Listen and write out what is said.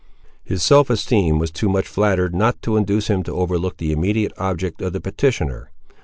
His self esteem was too much flattered not to induce him to overlook the immediate object of the petitioner.